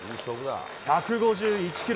１５１キロ。